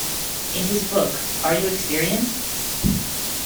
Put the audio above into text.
In his book Are You Experienced?